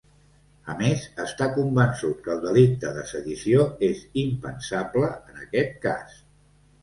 A més, està convençut que el delicte de sedició és ‘impensable’, en aquest cas.